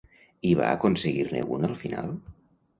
I va aconseguir-ne un al final?